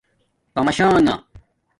تماشانݣ